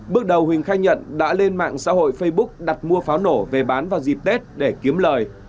bước đầu huỳnh khai nhận đã lên mạng xã hội facebook đặt mua pháo nổ về bán vào dịp tết để kiếm lời